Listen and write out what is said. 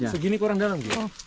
segini kurang dalam